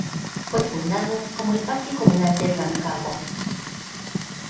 Fue fundado como el Parque Comunal de Rancagua.